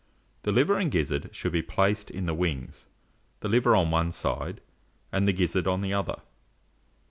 The liver and gizzard should be placed in the wings, the liver on one side and the gizzard on the other.